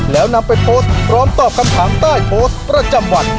แล้วนำไปโพสต์พร้อมตอบคำถามใต้โพสต์ประจำวัน